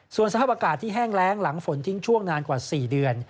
ส่วนสภาพอากาศที่แห้งแรงหลังฝนทิ้งช่วงนานกว่า๔เดือน